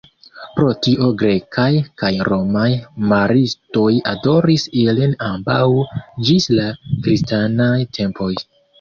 Pro tio grekaj kaj romaj maristoj adoris ilin ambaŭ ĝis la kristanaj tempoj.